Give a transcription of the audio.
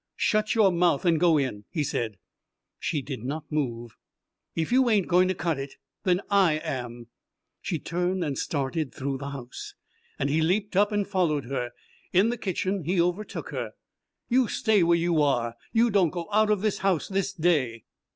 "Shut your mouth and go in!" he said. She did not move. "If you ain't going to cut it then I am!" She turned and started through the house, and he leaped up and followed her. In the kitchen he overtook her. "You stay where you are! You don't go out of this house this day!"